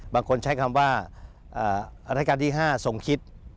บางคนใช้คำว่าราชการที่๕ทรงคิด